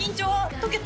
解けた？